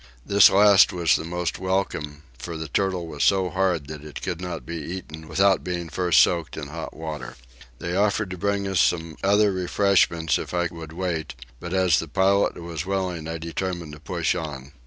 This last was the most welcome; for the turtle was so hard that it could not be eaten without being first soaked in hot water. They offered to bring us some other refreshments if I would wait, but as the pilot was willing I determined to push on.